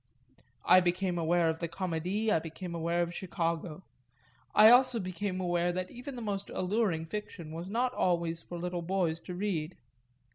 I became aware of the Comédie, I became aware of Chicago; I also became aware that even the most alluring fiction was not always for little boys to read.